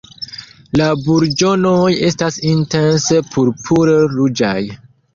La burĝonoj estas intense purpur-ruĝaj.